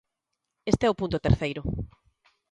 Este é o punto terceiro.